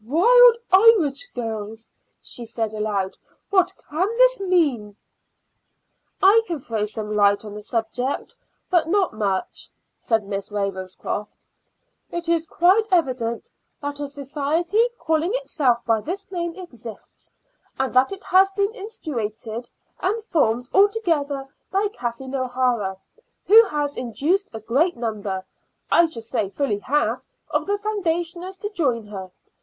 "'Wild Irish Girls,'" she said aloud. "What can this mean?" "I can throw some light on the subject, but not much," said Miss Ravenscroft. "It is quite evident that a society calling itself by this name exists, and that it has been instituted and formed altogether by Kathleen O'Hara, who has induced a great number I should say fully half of the foundationers to join her.